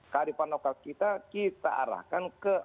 karipan lokal kita kita arahkan ke